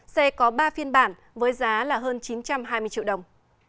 xe có ba phiên bản với giá là hơn chín trăm hai mươi triệu đồng